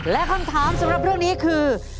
และคำถามสำหรับเรื่องนี้คือ